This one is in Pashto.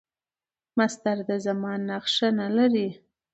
مصدر د زمان نخښه نه لري.